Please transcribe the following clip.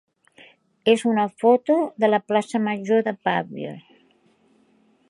és una foto de la plaça major de Pavies.